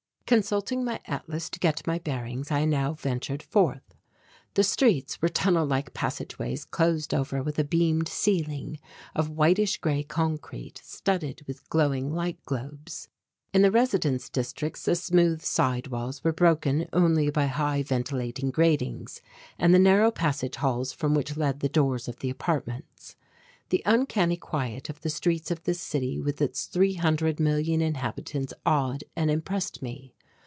Consulting my atlas to get my bearings I now ventured forth. The streets were tunnel like passage ways closed over with a beamed ceiling of whitish grey concrete studded with glowing light globes. In the residence districts the smooth side walls were broken only by high ventilating gratings and the narrow passage halls from which led the doors of the apartments. The uncanny quiet of the streets of this city with its three hundred million inhabitants awed and oppressed me.